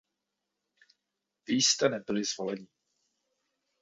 Vy jste nebyli zvoleni.